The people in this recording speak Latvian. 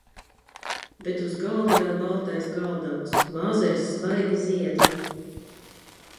Bet uz galda vēl baltais galdauts, vāzēs svaigi ziedi.